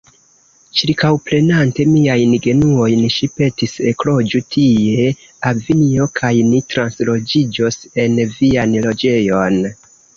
Ĉirkaŭprenante miajn genuojn, ŝi petis: „Ekloĝu tie, avinjo, kaj ni transloĝiĝos en vian loĝejon.